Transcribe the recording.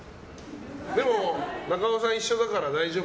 でも、中尾さんが一緒だから大丈夫？